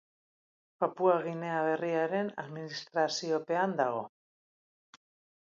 Papua Ginea Berriaren administraziopean dago.